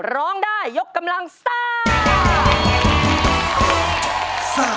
ร้องได้ยกกำลังซ่า